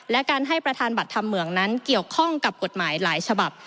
และการให้ประธานบัตรธรรมเหมืองนั้นเกี่ยวข้องกับกฎหมายหลายฉบับ